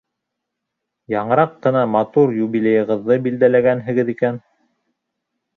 — Яңыраҡ ҡына матур юбилейығыҙҙы билдәләгәнһегеҙ икән.